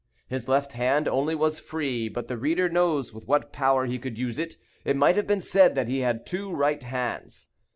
His left hand only was free; but the reader knows with what power he could use it. It might have been said that he had two right hands.